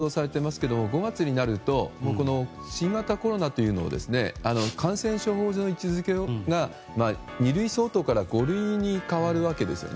すでに報道されていますが５月になると新型コロナというのは感染症法上の位置づけが２類相当から５類に変わるわけですよね。